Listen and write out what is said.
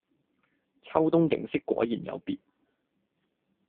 秋冬景色果然有別